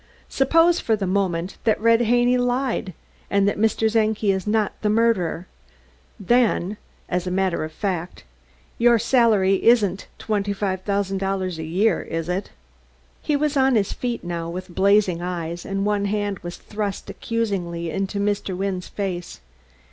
"Suppose, for the moment, that Red Haney lied, and that Mr. Czenki is not the murderer, then As a matter of fact your salary isn't twenty five thousand a year, is it?" He was on his feet now, with blazing eyes, and one hand was thrust accusingly into Mr. Wynne's face.